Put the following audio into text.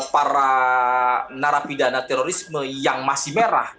para narapidana terorisme yang masih merah